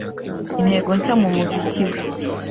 intego nshya mu muziki we,